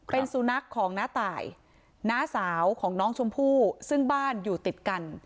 เป็นสุนัขของน้าตายน้าสาวของน้องชมพู่ซึ่งบ้านอยู่ติดกัน